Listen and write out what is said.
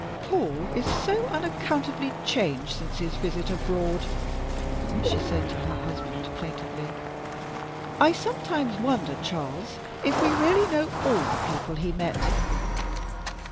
"Paul is so unaccountably changed since his visit abroad," she said to her husband plaintively. "I sometimes wonder, Charles, if we really know all the people he met."